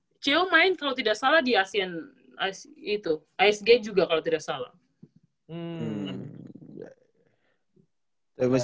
eh co main kalau tidak salah di asean itu asg juga kalau tidak salah